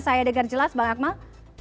saya dengar jelas bang akmal